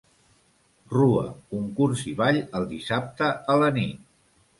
Rua, concurs i ball el dissabte a la nit.